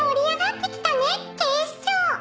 警視庁！」